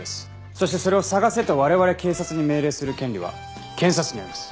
そしてそれを捜せと我々警察に命令する権利は検察にあります。